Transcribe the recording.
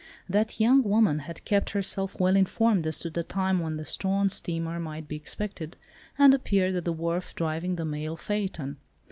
That young woman had kept herself well informed as to the time when the Strahan steamer might be expected, and appeared at the wharf driving the mail phaeton.